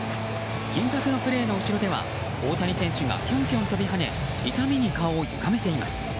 緊迫のプレーの後ろでは大谷選手がぴょんぴょんと飛び跳ね痛みに顔をゆがめています。